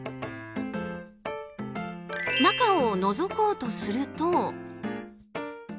中をのぞこうとすると。